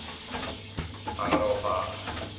あのローファー。